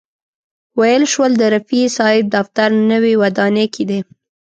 ویل شول د رفیع صاحب دفتر نوې ودانۍ کې دی.